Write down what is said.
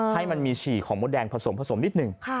ให้มันมีฉี่ของมดแดงผสมผสมนิดหนึ่ง